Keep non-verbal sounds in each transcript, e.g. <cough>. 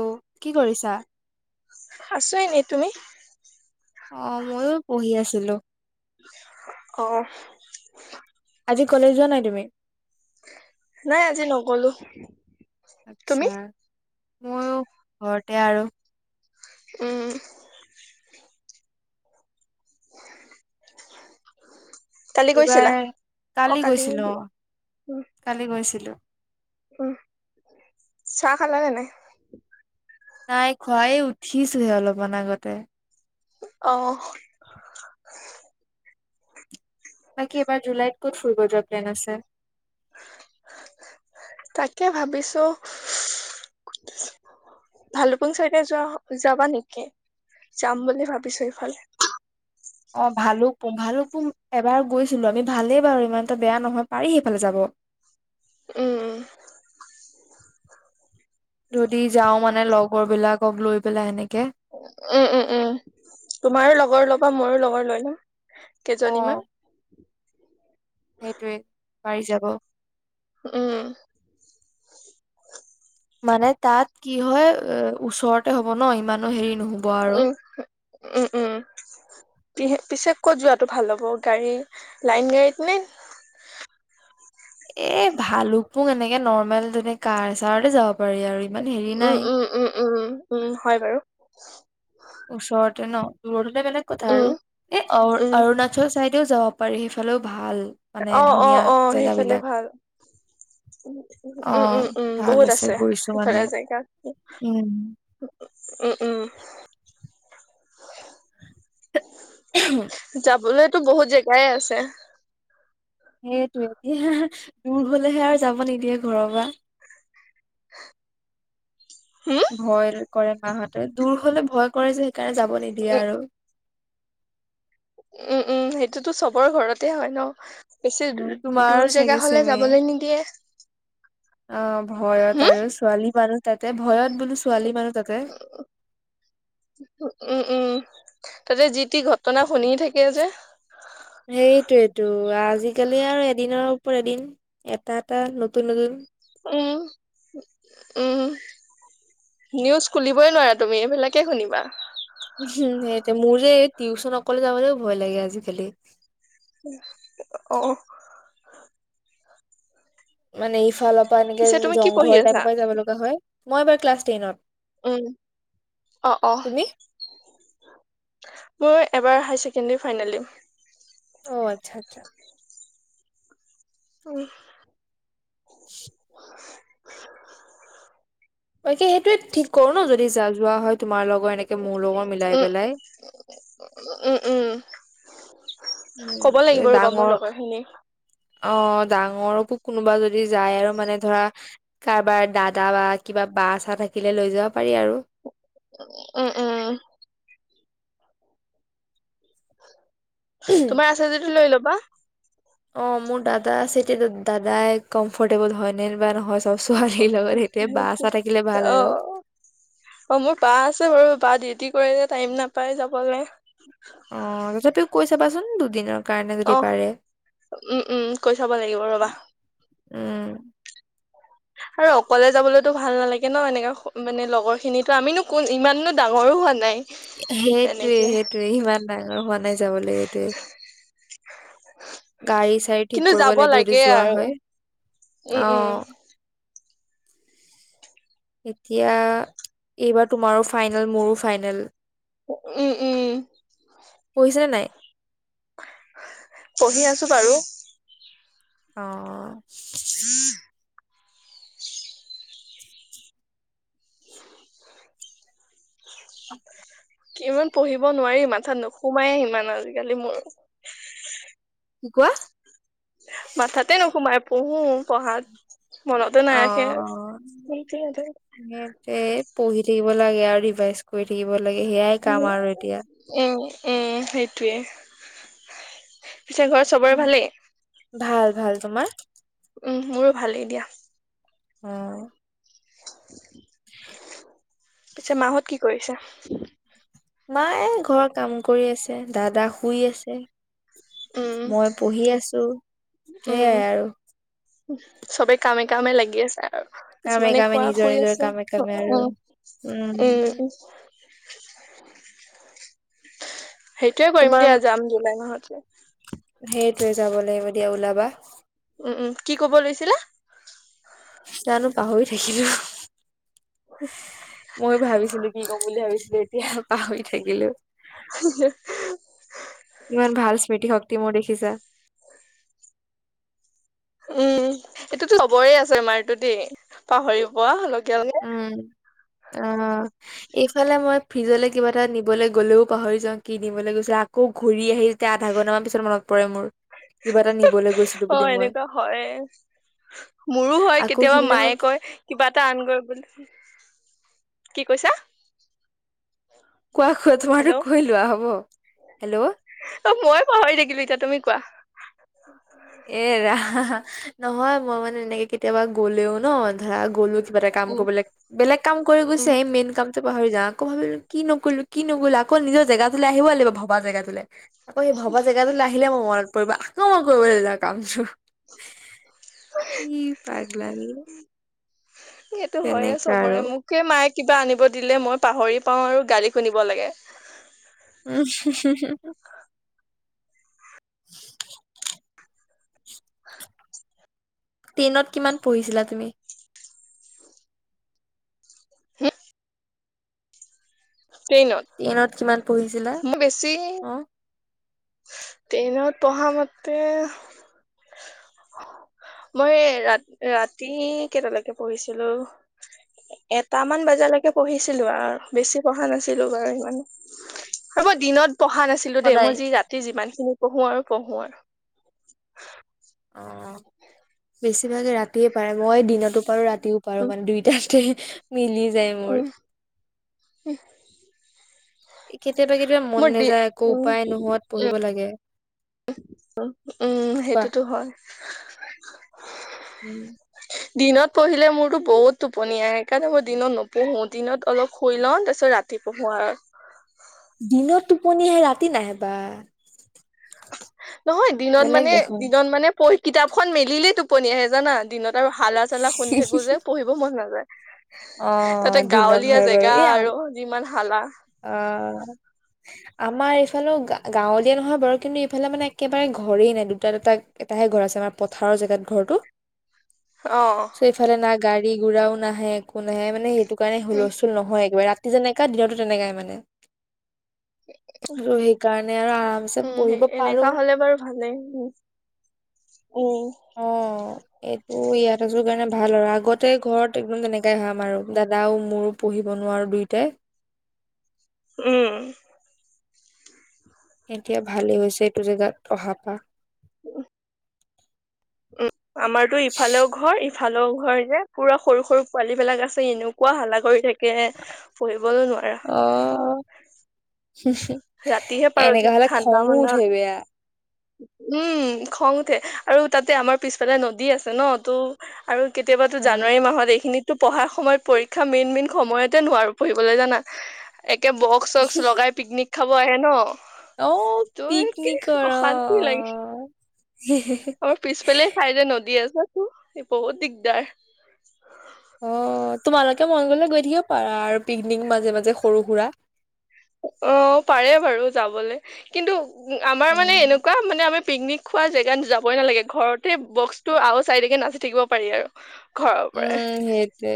Hello কি কৰিছা? আছোঁ এনে, তুমি? অ', ময়ো পঢ়ি আছিলো। অ'। আজি কলেজ যোৱা নাই তুমি? নাই আজি নগলো। তুমি আচ্ছা, ময়ো ঘৰতে আৰু। উম। কালি গৈছিলা ইবাৰ কালি গৈছিলো অ', উম কালি গৈছিলো। উম, চাহ খালানে নাই? নাই খোৱা এই উঠিছোহে অলপমান আগতে। অ'। বাকী এইবাৰ জুলাইত ক'ত ফুৰিব যোৱাৰ প্লেন আছে? তাকে ভাবিছো <unintelligible> ভালুপুং চাইডে যোৱা, যাবা নেকি? যাম বুলি ভাবিছো ইফালে। অ ভালুকপুং-ভালুকপুং এবাৰ গৈছিলো আমি, ভালেই বাৰু ইমান এটা বেয়া নহয় পাৰি সেইফালে যাব। উম, উম। যদি যাও মানে লগৰ বিলাকক লৈ পেলাই এনেকে। উম, উম, উম, তোমাৰো লগৰ ল'বা মোৰো লগৰ লৈ ল'ম কেইজনী অ' মান। সেইটোৱে পাৰি যাব। উম। মানে তাত কি হয় এ, ওচৰতে হ'ব ন ইমানো হেৰি নহ'ব। আৰু। উম, উম-উম। পি-পিছে ক'ত যোৱাটো ভাল হ'ব গাড়ী লাইন গাড়ীত নে? এ ভালুক পুং এনেকে নৰ্মেল তেনে কাৰ ছাৰতে যাব পাৰি আৰু। ইমান হেৰি নাই। উম-উম-উম-উম-উম উম, হয় বাৰু। ওচৰতে ন? দূৰত হলে বেলেগ কথা উম আৰু এ উম অ-অৰুণা চল চাইডেও যাব পাৰি সেইফালেও ভাল। মানে অ', অ', ধুনীয়া অ', সেইফালে জেগাবিলাক। ভাল। অ উম, উম, উম, ভাল বহুত আছে গৈছো মানে সেইফালে জেগা। উম। উম, উম। যাবলৈতো বহুত জেগাই আছে। সেইটোৱে এতিয়া দূৰ হ'লেহে আৰু যাব নিদিয়ে ঘৰৰ পৰা। হম? ভয় কৰে মাহঁতে, দূৰ হলে ভয় কৰে যে সেইকাৰণে যাব নিদিয়ে উম আৰু। উম, উম, সেইটোতো চবৰ ঘৰতে হয় ন? উম বেছি তোমাৰো দূৰ চাগে জেগা হ'লে চেমে। যাবলৈ নিদিয়ে। অ', ভয়ত হম আৰু ছোৱালী মানুহ তাতে, ভয়ত বোলো ছোৱালী মানুহ তাতে। <inaudible> উম, উম, তাতে যি তি ঘটনা শুনি থাকিল যে। সেইটোয়েতো আজিকালি আৰু এদিনৰ ওপৰত এদিন এটা এটা নতুন নতুন উম, উম। নিউজ খুলিবই নোৱাৰা তুমি এইবিলাকে শুনিবা। সেইটোৱে, মোৰ যে টিউচন অকলে যাবলৈও ভয় লাগে আজিকালি। অ'। মানে ইফালৰ পৰা এনেকে পিছে তুমি কি পঢ়ি জংঘল আছা টাইপৰ পৰাই যাব লগা হয়, মই এইবাৰ ক্লাছ টেনত। উম, অ', তুমি অ'। মোৰ এবাৰ হায় ছেকেণ্ডাৰী ফাইনেল দিম। অ' আচ্ছা আচ্ছা। উ। <inaudible> বাকী সেইটোয়ে ঠিক কৰোঁ ন' যদি যা যোৱা হয় তোমাৰ লগৰ এনেকে মোৰ লগৰ মিলাই উম পেলাই। উম, উম, উম ক'ব এ লাগিব ৰ'বা মোৰ ডাঙৰ লগৰখিনি। অ', ডাঙৰকো কোনোবা যদি যায় আৰু মানে ধৰা কাৰোবাৰ দাদা বা কিবা বা চা থাকিলে লৈ যাব পাৰি আৰু। উম, উম। তোমাৰ আছে যদি লৈ ল'বা। অ', মোৰ দাদা আছে, এতিয়া দাদাই কমফৰ্টেবল হয়নে বা নহয় ব ছোৱালীৰ লগত সেইটোৱে বা সেইটো চা থাকিলে ভাল আৰু। অ', অ', মোৰ বা আছে বাৰু, বা ডিউটি কৰে যে টাইম নাপায় যাবলে। অ', তথাপিও কৈ চাবাচোন দুদিনৰ কাৰণে যদি অ', পাৰে উম, উম, কৈ চাব লাগিব ৰ'বা। উম। আৰু অকলে যাবলৈতো ভাল নালাগে ন' এনেকে মানে লগৰ খিনিতো, আমিনো কোন ইমানো ডাঙৰো হোৱা নাই। সেইটোৱে এনেকে সেইটোৱে, ইমান ডাঙৰ হোৱা নাই যাবলৈ এইটোৱে। গাড়ী চাৰি ঠিক কিন্তু কৰিব যাব লাগিব, লাগে যদি যোৱা আৰু হয় উম, উম, অ'। এতিয়া এইবাৰ তোমাৰো ফাইনেল, মোৰো ফাইনেল। উম, উম। পঢ়িছা নে নাই? পঢ়ি আছোঁ বাৰু। অ',। কিমান পঢ়িব নোৱাৰি, মাথাাত নোসোমায়ে সিমান আজিকালি মোৰ। কি কোৱা? মাথাতে নোসোমায়, পঢ়োঁ পঢ়াত। মনতে অ নাৰাখে <unintelligible> <unintelligible> পঢ়ি থাকিব লাগে আৰু ৰিভাইজ কৰি থাকিব লাগে, সেয়াই কাম আৰু এতিয়া। উম, উম, সেইটোৱে। পিছে ঘৰত চবৰে ভালেই? ভাল, ভাল। তোমাৰ? উম, মোৰো ভালেই দিয়া। উম। <inaudible> <inaudible> পিছে মাহঁত কি কৰিছে? মায়ে ঘৰত কাম কৰি আছে, দাদা শুই আছে। উম, মই পঢ়ি আছোঁ, উম, সেইয়াই আৰু। চবে কামে কামে লাগি আছে আৰু। কামে কিছুমানে কামে শুৱা নিজৰ শুই নিজৰ আছে, কামে উ, কামে আৰু উম, উম। সেইটোয়ে কৰিম দিয়া, যাম জুলাই মাহতে। সেইটোয়ে যাব লাগিব, দিয়া ওলাবা। উম, উম, কি ক'ব লৈছিলা? জানো পাহৰি থাকিলোঁ। <inaudible> মই ভাবিছিলোঁ, কি ক'ম বুলি ভাবিছিলোঁ এতিয়া পাহৰি থাকিলোঁ। <unintelligible> ইমান ভাল স্মৃতি শক্তি মোৰ দেখিছা? উম, এইটোতো চবৰে আছে, আমাৰটো দেই পাহৰি পোৱা লকীয়াল উম, অ',। এইফালে, মই ফ্ৰিজলৈ কিবা এটা নিবলৈ গ'লেও পাহৰি যাওঁ, কি নিবলৈ গৈছিল আকৌ ঘূৰি আহি তেতিয়া আধা ঘণ্টা মান, পিছত মনত পৰে মোৰ, কিবা এটা নিবলৈ গৈছিলো বুলি অ', মই এনেকুৱা হয়েই মোৰো হয়, আকৌ কেতিয়াবা সিদিনাখন মায়ে কি কয় কিবা এটা আনগৈ বুলি কি কৈছা? কোৱা কোৱা তোমাৰ হেল্ল' কৈ লোৱা? হ'ব হেল্ল'। অ', মইয়ে পাহৰি থাকিলো এতিয়া তুমি কোৱা? এইৰা নহয় মই মানে এনেকে কেতিয়াবা গ'লেও ন ধৰা গ'লো কিবা এটা কাম উম, কৰিব বেলেগ কাম কৰি গৈছে উম, এই মেইন কাম পাহৰি যা আকৌ ভাবিলো কি নকৰিলো কি নকৰিলো আকৌ নিজৰ জেগাটোলে আহিবই লাগিব ভবা জেগা তোলে আকৌ সেই ভবা জেগাটোলৈ আহিলে মোৰ মনত পৰিব আকৌ মই কৰিবলৈ যোৱা কামছো। কি পাগলামি সেইটো হয়য়ে তেনেকা আৰু চবৰে মোক সে মায়ে কিবা আনিব দিলে মই পাহৰি পাওঁ আৰু গালি শুনিব লাগে। উ টেইনত কিমান পঢ়িছিলা তুমি? টেইনত টেইনত কিমান পঢ়িছিলা অ টেইনত পঢ়া মতে মই ৰাতি ৰাতি কেইটালৈকে পঢ়িছিলোঁ? এটামান বজালৈকে পঢ়িছিলো আৰু বেছি পঢ়া নাছিলো বাৰু ইমান আৰু মই দিনত পঢ়া নাছিলো দেই সদায় মই যি ৰাতি যিমান খিনি পঢ়ো আৰু পঢ়ো আৰু অ বেছিভাগে ৰাতিয়ে পাৰে মই দিনতো পাৰো ৰাতি ও পাৰো উম মানে দুইটাতে মিলি যায় মোৰ। উম কেতিয়াবা কেতিয়াবা মন মোৰ দি নাযায় একো উম উপায় নোহোৱাত পঢ়িব লাগে। উ উম কোৱা। সেইটোতো হয় উম, দিনত পঢ়িলে মোৰতো বহুত টোপনী আহে সেইকাৰণে মই দিনত নপঢ়ো দিনত অলপ শুই লওঁ তাৰ পিছত ৰাতি ৰাতি পঢ়ো আৰু দিনত টোপনি আহে ৰাতি নাহে বা নহয় দিনত বেলেগ মানে দেখোন। দিনত মানে প কিতাপখন মেলিলেই টোপনি আহে জানা দিনত আৰু হালা চালা শুনি থাকো যে পঢ়িব মন নাযায়। অ তাতে দিনত গাঁৱলীয়া হয় বাৰু জেগা এই আম আৰু যিমান শালা অ আমাৰ ইফালে গাঁৱলীয়া নহয় বাৰু কিন্তু ইফালে মানে একেবাৰে ঘৰেই নাই দুটা দুটা এটাহে ঘৰ আছে আমাৰ পথাৰৰ জেগাত ঘৰটো অঁ চ' এইফালে না গাড়ী গুৰাও নাহে একো নাহে মানে সেইটো কাৰণে উম হুলস্থুল নহয় একেবাৰে ৰাতি যেনেকা দিনতো তেনেকাই মানে আৰু সেইকাৰণে আৰু আৰামছে পঢ়িব পাৰোঁ। লে বাৰু ভালে উম অ'। এইটো ইয়াত আছো কাৰণে ভাল আৰু আগতে ঘৰত একদম তেনেকাই হয় আমাৰো দাদাও আৰু মোৰো। পঢ়িব নোৱাৰোঁ দুয়োটাই। উম। এতিয়া ভালেই হৈছে এইটো জেগাত অহাৰ পৰা। উম। উম। আমাৰতো ইফালেও ঘৰ ইফালেও ঘৰ যে পুৰা সৰু সৰু পোৱালী বিলাক আছে এনেকুৱা হাল্লা কৰি থাকে। তাকে পঢ়িবলৈ নোৱাৰা। অ ৰাতিহে পাৰো এনেকা হ'লে ঠাণ্ডা খঙো মণ্ডা উঠে বেয়া। উম খং উঠে আৰু তাতে আমাৰ পিছফালে নদী আছে ন টো আৰু কেতিয়াবাতো অ জানুৱাৰী মাহত এইখিনিত ত পঢ়াৰ সময়ত পৰীক্ষা মেইন মেইন সময়তে নোৱাৰো পঢ়িবলৈ জানা একে ব বকচ চকচ লগাই পিকনিক খাব আহে ন। অ তো এ কি পিকনিকৰ অ অশান্তি লাগি আমাৰ পিছফালে খাই যে নদী আছোতো বহুত দিগদাৰ। <unintelligible> অ' তোমালোকে মন গলে গৈ থাকিব পাৰা আৰু পিকনিক মাজে মাজে সৰু সুৰা। অ' পাৰে বাৰু যাবলে কিন্তু আমাৰ মানে উম এনেকুৱা মানে আমি পিকনিক খোৱা জেগাত যাবই নালাগে ঘৰতে বক্সটো আৱাজ আহি থাকে নাচি থাকিব পাৰি আৰু। ঘৰৰ পৰাই উম সেইটোৱে।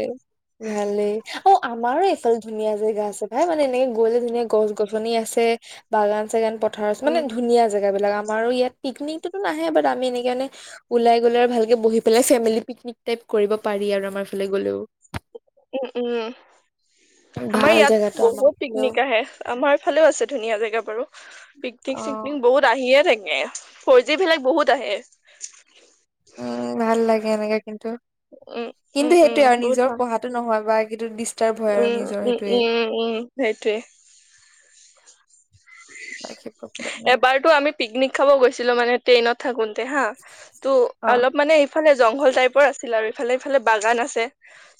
ভালেই অ' আমাৰো এইফালে ধুনীয়া জেগা আছে ভাই মানে এনেকে গ'লে ধুনীয়া গছ গছনি আছে। বাগান চাগান পথাৰ আছে উম মানে ধুনীয়া জেগা বিলাক আমাৰো ইয়াত। পিকনিকতো নাহে বাট আমি এনেকে ওলাই গ'লে আৰু ভালকে বহি পেলাই ফেমিলি পিকনিক টাইপ। কৰিব পাৰি আৰু আমাৰ ফালে গ'লেও। উম উম। আমাৰ ভাল ইয়াত জেগাটো আমাৰ বহুত ফালেও পিকনিক আহে। আমাৰ ফালেও আছে ধুনীয়া জেগা বাৰু অ পিকনিক চিকনিক বহুত। আহিয়ে থাকে। ফৰজি বিলাক বহুত আহে। উম ভাল লাগে এনেকে কিন্তু। উম কিন্তু উম উম সেইটোয়ে আৰু বহুত নিজৰ ভাল পঢ়াটো নহয় বা কিটো দিচ উম, উম, উম, উম সেইটোৱে। বাকী প্ৰব্লেম নাই এবাৰতো আমি পিকনিক খাব গৈছিলো মানে। টেইনত থাকোতে হা তো অ অলপ মানে ইফালে জংঘল টাইপৰ আছিল আৰু ইফালে ইফালে বাগান আছে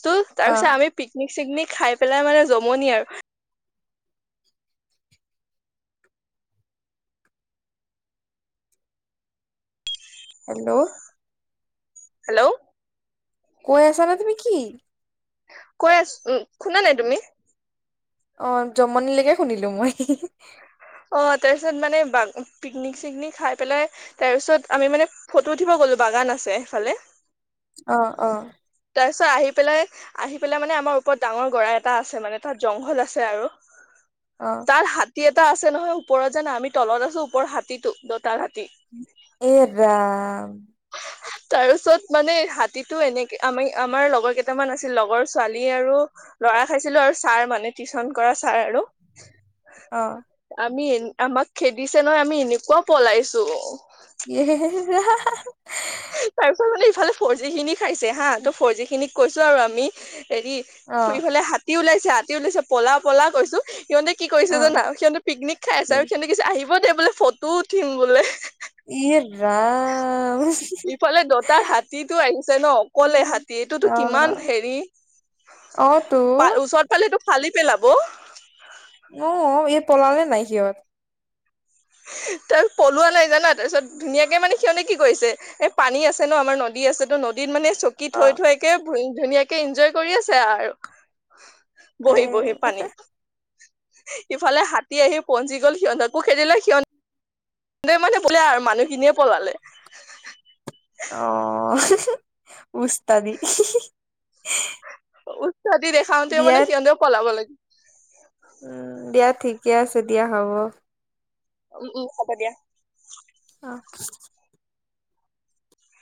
ত' অ তাৰপিছত আমি পিকনিক চিকনিক খাই পেলাই মানে জমনি আৰু। হেল্ল'। হেল্ল'। কৈ আছানে তুমি কি? কৈ আছো। উম শুনা নাই তুমি? অ' জমনি লৈকে শুনিলো মই। অ' তাৰ পিছত মানে বা পিকনিক চিকনিক খাই পেলাই তাৰ পিছত আমি মানে ফটো উঠিব গ'লো বাগান আছে সিফালে। অ', অ'। তাৰপিছত আহি পেলাই আহি পেলাই মানে আমাৰ ওপৰত ডাঙৰ গৰা এটা আছে মানে তাত জংঘল আছে আৰু। অ তাত হাতী এটা আছে নহয়, ওপৰত জানা আমি তলত আছো ওপৰৰ হাতীতো দতাল হাতী। এ ৰাম তাৰ পিছত মানে হাতীতো এনেকে আমি আমাৰ লগৰ কেইটামান আছিল, লগৰ ছোৱালী আৰু ল'ৰা খাইছিলো আৰু ছাৰ মানে টিউচন কৰা ছাৰ আৰু। অ। আমি এ আমাক খেদিছে নহয় আমি এনেকুৱা পলাইছো। <inaudible> তাৰ পিছত মানে ইফালে ফৰ জি খিনি খাইছে হা, ত ফৰজি খিনিক কৈছো আৰু আমি হেৰি অ ফুৰিফালে হাতী ওলাইছে হাতী ওলাইছে পলা পলা কৈছো। সিহঁতে কি অ কৰিছে জানা সিহঁতে পিকনিক খাই আছে, আৰু সিহঁতে আহিব দে বোলে ফটো উঠিম বোলে। ইয়ে ৰাম। ইফালে দঁতাল হাতীতটো আহিছে ন, অকলে হাতী এইটোতো কিমান হেৰি। অঁ, তো। পালেটো ফালি পেলাব। অঁ, এই পলালে নাই সিহঁত। তাৰ পলোৱা নাই জানা, তাৰপিছত ধুনীয়াকে মানে সিহঁতেনে কি কৰিছে এ পানী আছে ন আমাৰ নদী আছে, ত নদীত মানে চ কি অ থৈ থৈ কে ধুনীয়াকে ইনজয় কৰি আছে আৰু। এ বহি বহি পানীত, ইফালে হাতী আহি পঞ্চি গ'ল সিহঁতকো খেদিলে সিহঁ তে মানে বোলে আৰু মানুহখিনিয়ে পলালে। <inaudible> উৎপত্তি দেখাওতে মানে <inaudible> সিহঁতেও পলাব লাগে। উম, দিয়া ঠিকে আছে দিয়া হ'ব। উম উম হ'ব দিয়া। অঁহ